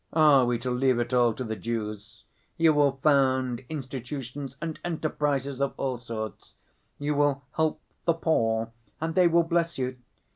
Are we to leave it all to the Jews? You will found institutions and enterprises of all sorts. You will help the poor, and they will bless you.